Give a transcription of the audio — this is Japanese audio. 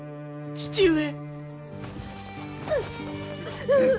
父上！